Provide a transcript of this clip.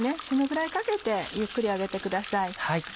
そのぐらいかけてゆっくり揚げてください。